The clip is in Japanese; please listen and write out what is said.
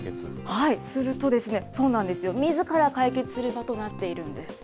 はい、するとそうなんですよ、みずから解決する場となっているんです。